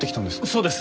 そうです。